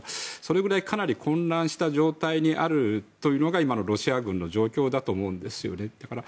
それぐらいかなり混乱した状態にあるというのが今のロシア軍の状況だと思うんですよね。